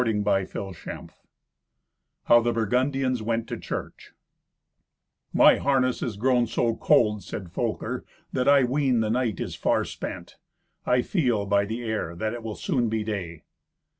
Thirty First Adventure How the Burgundians Went to Church "My harness is grown so cold," said Folker, "that I ween the night is far spent. I feel, by the air, that it will soon be day."